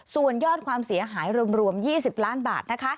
ส่วนยอดความเสียหายรวม๒๐ล้านบาทนะคะ